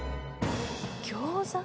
ギョウザ？